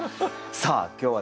さあ今日はですね